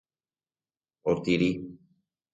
Otiri